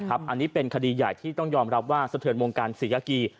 อันนี้เป็นคดีใหญ่ที่ต้องยอมรับว่าสะเทือนวงการศรียากี